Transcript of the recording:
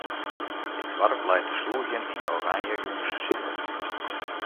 It doarp leit te slûgjen yn 'e oranje jûnssinne.